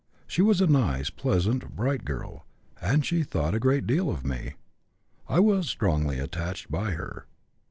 She was a nice, pleasant, bright girl, and she thought a great deal of me. I was strongly attracted by her.